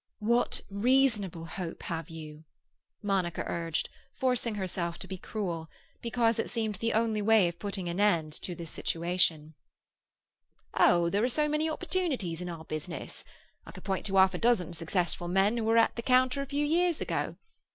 "What reasonable hope have you?" Monica urged, forcing herself to be cruel, because it seemed the only way of putting an end to this situation. "Oh, there are so many opportunities in our business. I could point to half a dozen successful men who were at the counter a few years ago.